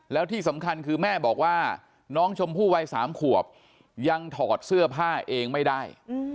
แล้วที่สำคัญคือแม่บอกว่าน้องชมพู่วัย๓ขวบยังถอดเสื้อผ้าเองไม่ได้